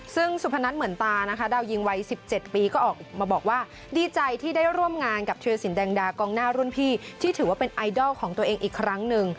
ซึ่งสุพนัทเหมือนตานะคะดาวยิงวัย๑๗ปีก็ออกมาบอกว่าดีใจที่ได้ร่วมงานกับธิรสินแดงดากองหน้ารุ่นพี่ที่ถือว่าเป็นไอดอลของตัวเองอีกครั้งหนึ่ง